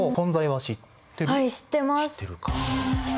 はい知ってます。